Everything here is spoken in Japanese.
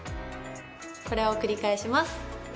これを繰り返します。